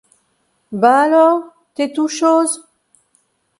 Ben alors, t’es tout chose ?